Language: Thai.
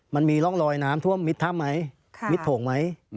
มันมีร่องรอยน้ำท่วมมิดถ้ำไหมมิดโถงไหม